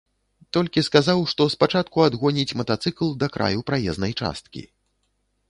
Толькі сказаў, што спачатку адгоніць матацыкл да краю праезнай часткі.